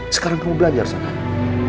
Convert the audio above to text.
sekarang kamu belajar soekarno